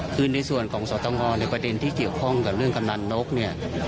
คือในส่วนของสตงในประเด็นที่เกี่ยวข้องกับเรื่องกำนันนกเนี่ย